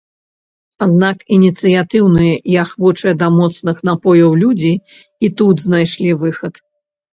Аднак ініцыятыўныя і ахвочыя да моцных напояў людзі і тут знайшлі выхад.